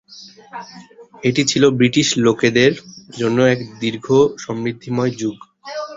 এটি ছিল ব্রিটিশ লোকদের জন্য এক দীর্ঘ, সমৃদ্ধিময় যুগ।